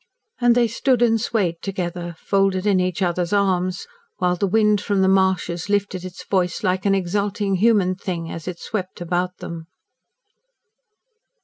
And they stood and swayed together, folded in each other's arms, while the wind from the marshes lifted its voice like an exulting human thing as it swept about them.